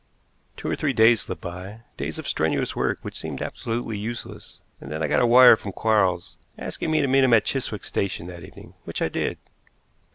Two or three days slipped by, days of strenuous work, which seemed absolutely useless, and then I got a wire from Quarles asking me to meet him at Chiswick Station that evening, which I did.